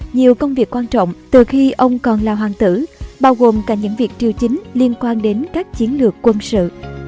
nhiều công việc quan trọng từ khi ông còn là hoàng tử bao gồm cả những việc triều chính liên quan đến các chiến lược quân sự